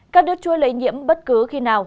các đứa chui lây nhiễm bất cứ khi nào